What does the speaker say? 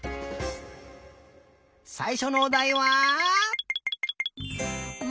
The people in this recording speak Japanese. さいしょのおだいは。